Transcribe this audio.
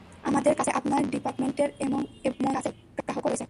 আমাদের কাছে আপনার ডিপার্টমেন্টের এবং মন্ত্রীদের কাছের গ্রাহকও রয়েছে।